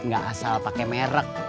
gak asal pakai merek